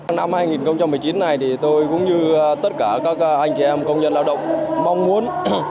năm hai nghìn một mươi chín này thì tôi cũng như tất cả các anh chị em công nhân lao động mong muốn